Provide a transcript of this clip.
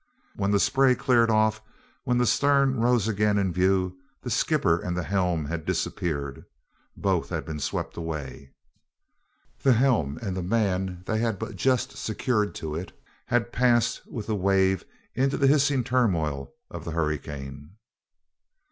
When the spray cleared off, when the stern again rose in view, the skipper and the helm had disappeared. Both had been swept away. The helm and the man they had but just secured to it had passed with the wave into the hissing turmoil of the hurricane.